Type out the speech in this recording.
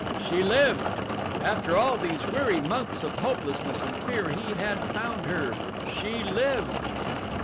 She lived! After all these weary months of hopelessness and fear he had found her. She lived!